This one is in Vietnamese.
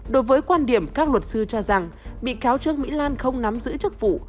đối với quan điểm các luật sư cho rằng bị cáo trương mỹ lan không nắm giữ chức vụ